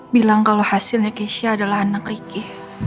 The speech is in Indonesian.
bilang kalau hasilnya keisha adalah anak ricky